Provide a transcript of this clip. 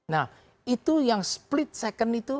nah itu yang split second itu